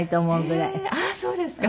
あっそうですか！